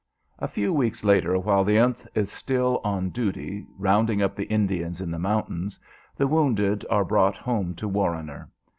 A few weeks later, while the th is still on duty rounding up the Indians in the mountains, the wounded are brought home to Warrener.